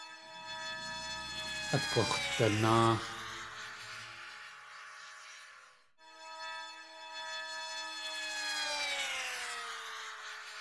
At gux̲danáa.